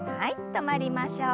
止まりましょう。